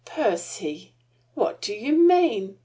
"Percy! What do you mean?